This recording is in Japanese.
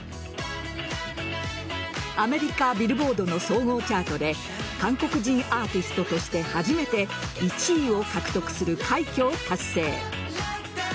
アメリカ・ビルボードの総合チャートで韓国人アーティストとして初めて１位を獲得する快挙を達成。